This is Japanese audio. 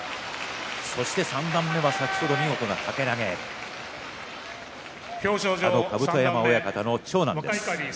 そして三段目は先ほど見事な掛け投げあの甲山親方の長男です